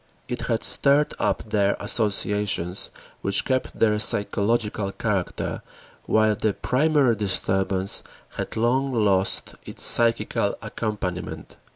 It had stirred up there associations which kept their psychological character while the primary disturbance had long lost its psychical accompaniment.